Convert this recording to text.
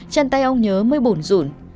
chân tay ông nhớ mới bổn rụn